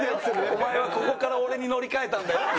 お前はここから俺に乗り換えたんだよって。